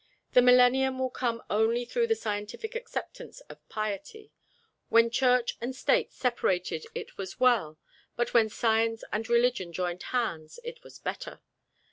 The millennium will come only through the scientific acceptance of piety. When Church and State separated it was well, but when Science and Religion joined hands it was better.